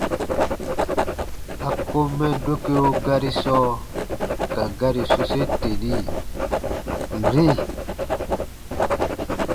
A kom mɛ dokeo gari sɔɔ ka gari sose teni: “-ri”.